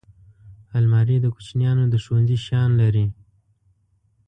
الماري د کوچنیانو د ښوونځي شیان لري